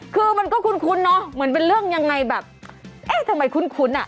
คือมันก็คุ้นเนอะเหมือนเป็นเรื่องยังไงแบบเอ๊ะทำไมคุ้นอ่ะ